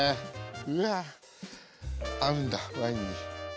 いや合うんだワインに。